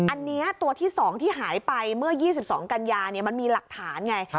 อันนี้ตัวที่๒ที่หายไปเมื่อ๒๒กันยามันมีหลักฐานไง